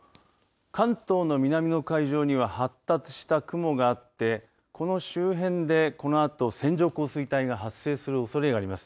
関東の南の海上には発達した雲があってこの周辺で、このあと線状降水帯が発生するおそれがあります。